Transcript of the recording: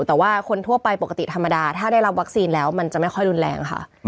แต่ว่าคนทั่วไปปกติธรรมดาถ้าได้รับวัคซีนแล้วมันจะไม่ค่อยรุนแรงค่ะ